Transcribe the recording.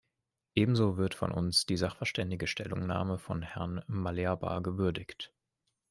Ebenso wird von uns die sachverständige Stellungnahme von Herrn Malerba gewürdigt.